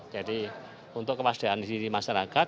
jadi untuk kewaspadaan dini masyarakat